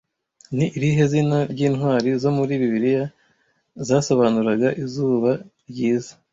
Ni irihe zina ry'intwari zo muri Bibiliya zasobanuraga izuba ryiza